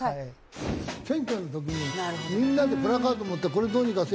選挙の時にみんなでプラカード持って「これどうにかせい！」